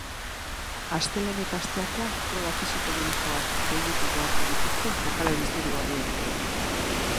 Astelehen eta asteartean proba fisiko-medikoak gainditu beharko dituzte jokalari zuri-gorriek.